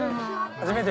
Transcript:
初めて。